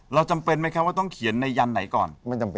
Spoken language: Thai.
เราจำเป็นไหมคะว่าต้องเขียนในยันไหนก่อน